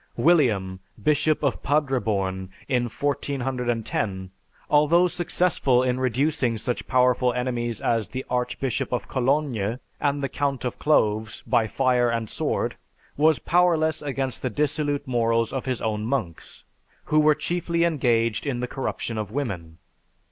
William, Bishop of Padreborn, in 1410, although successful in reducing such powerful enemies as the Archbishop of Cologne, and the Count of Cloves by fire and sword, was powerless against the dissolute morals of his own monks, who were chiefly engaged in the corruption of women.